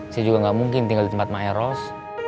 saya juga gak mungkin tinggal di tempat maeros